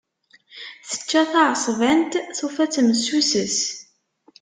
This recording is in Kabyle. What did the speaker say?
Tečča taεeṣbant, tufa-tt messuset.